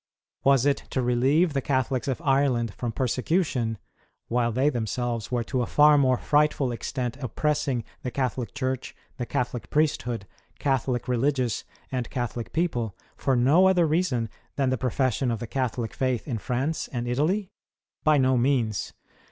Was it to relieve the Catholics of Ireland from persecution, while they themselves were to a far more frightful extent oppressing the Catholic Church, the Catholic priesthood. Catholic religious, and Catholic people, for no other reason than the profession of the Catholic faith in France and Italy ? By no means.